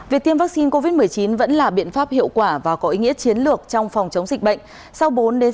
việc tiêm vaccine covid một mươi chín vẫn là biện pháp hiệu quả và có ý nghĩa chiến lược trong phòng chống dịch bệnh